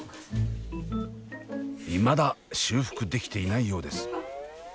いまだ修復できていないようです。